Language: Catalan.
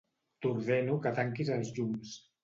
T'ordeno que tanquis els llums.